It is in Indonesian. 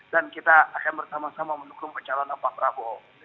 dan kita akan bersama sama mendukung pencalonan pak prabowo